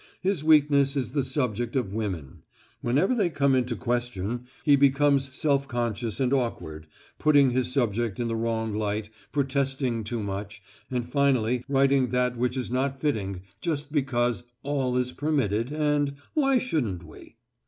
His weakness is the subject of women. Whenever they come into question he becomes self conscious and awkward, putting his subject in the wrong light, protesting too much, and finally writing that which is not fitting just because "all is permitted" and "why shouldn't we?"